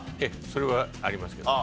それはありますけど。